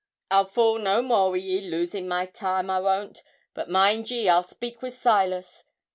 'I'll fool no more wi' ye, losing my time; I won't; but mind ye, I'll speak wi' Silas.'